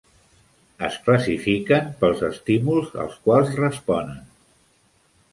Es classifiquen pels estímuls als quals responen.